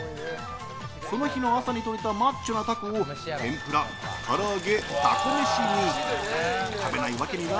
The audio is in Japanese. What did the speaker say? その日の朝にとれたマッチョなタコを天ぷら、から揚げたこめしに。